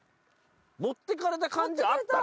持ってかれた感じあったね。